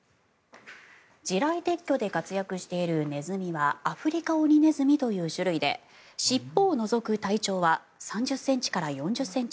地雷撤去で活躍しているネズミはアフリカオニネズミという種類で尻尾を除く体長は３０ｃｍから４０ｃｍ。